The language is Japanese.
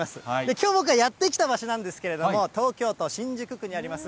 きょう、僕がやって来た場所なんですけれども、東京都新宿区にあります